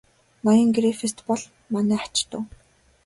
Ноён Грифитс бол манай ач дүү.